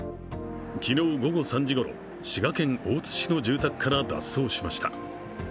昨日午後３時ごろ、滋賀県大津市の住宅から脱走しました。